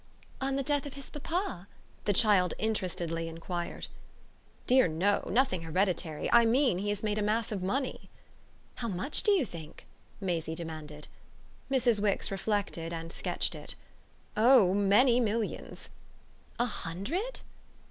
"On the death of his papa?" the child interestedly enquired. "Dear no nothing hereditary. I mean he has made a mass of money." "How much, do you think?" Maisie demanded. Mrs. Wix reflected and sketched it. "Oh many millions." "A hundred?"